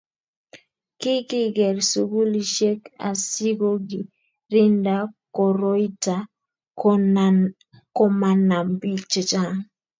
Kikiker sugulisiek asikogirinda koroita komanam bik chechang